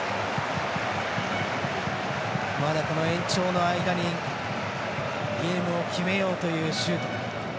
まだ、この延長の間にゲームを決めようというシュート。